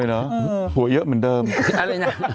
เหนื่อยเหมือนเดิมเนอะ